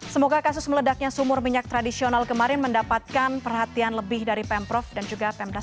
semoga kasus meledaknya sumur minyak tradisional kemarin mendapatkan perhatian lebih dari pemprov dan juga pemda